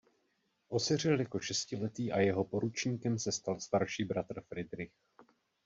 Osiřel jako šestiletý a jeho poručníkem se stal starší bratr Fridrich.